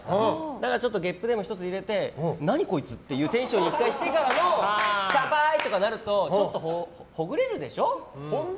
だからちょっとゲップでも１つ入れて何こいつ？っていうテンションに１回してからの再開！とかなるとちょっとほぐれるでしょ。